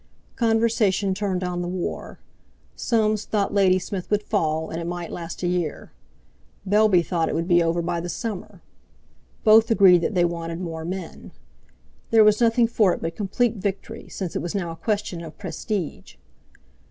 Conversation turned on the war. Soames thought Ladysmith would fall, and it might last a year. Bellby thought it would be over by the summer. Both agreed that they wanted more men. There was nothing for it but complete victory, since it was now a question of prestige.